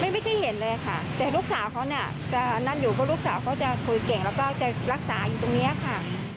ไม่ใช่เห็นเลยค่ะแต่ลูกสาวเขาเนี่ยจะนั่นอยู่เพราะลูกสาวเขาจะคุยเก่งแล้วก็จะรักษาอยู่ตรงนี้ค่ะ